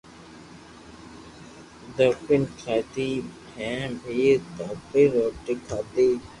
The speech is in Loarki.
دھاپين کادي مي بي دھاپين روٽي کادي